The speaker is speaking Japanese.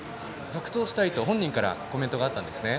続投したいと本人からコメントがあったんですね。